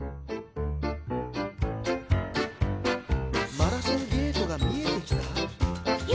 「マラソンゲートが見えてきた」